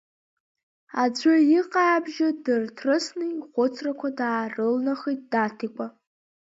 Аӡәы иҟаабжьы дырҭрысны ихәыцрақәа даарылнахит Даҭикәа.